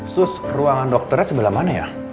sus ruangan dokternya sebelah mana ya